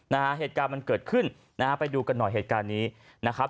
เหตุการณ์มันเกิดขึ้นนะฮะไปดูกันหน่อยเหตุการณ์นี้นะครับ